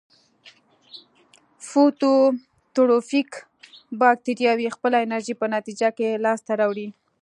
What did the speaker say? فوتوټروفیک باکتریاوې خپله انرژي په نتیجه کې لاس ته راوړي.